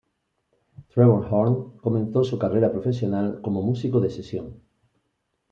Trevor Horn comenzó su carrera profesional como músico de sesión.